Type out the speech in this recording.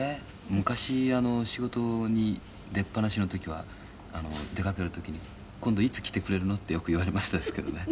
昔、仕事に出っぱなしの時は出かける時に「今度いつ来てくれるの？」ってよく言われましたですけどね。